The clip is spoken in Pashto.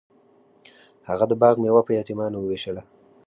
هغه د باغ میوه په یتیمانو ویشله.